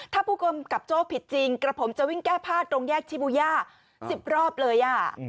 ถ้าผู้กำกับโจ้ผิดจริงกระผมจะวิ่งแก้ผ้าตรงแยกชิบูย่า๑๐รอบเลย